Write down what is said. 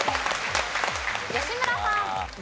吉村さん。